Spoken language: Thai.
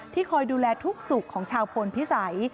คอยดูแลทุกสุขของชาวพลพิสัย